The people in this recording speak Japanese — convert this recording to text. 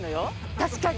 確かに。